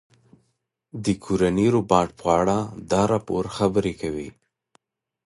د کورني روباټ په اړه دا راپور خبرې کوي.